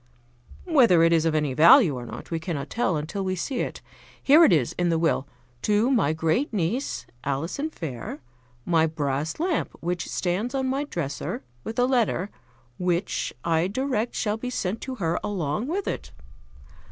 Whether it is of any value or not we cannot tell until we see it. Here it is in the will: 'To my great niece, Alison Fair, my brass lamp which stands on my dresser, with a letter, which I direct shall be sent to her along with it.'